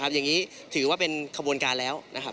อย่างนี้ถือว่าเป็นขบวนการแล้วนะครับ